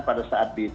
pada saat di piala